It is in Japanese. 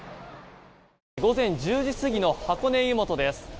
午前１０時過ぎの箱根湯本です。